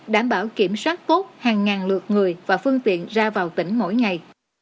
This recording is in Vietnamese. đảm bảo kiểm soát tốt hàng ngàn lượt người và phương tiện ra vào tỉnh mỗi ngày